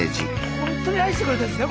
ほんとに愛してくれてんですね